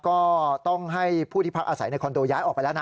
ก็ต้องให้ผู้ที่พักอาศัยในคอนโดย้ายออกไปแล้วนะ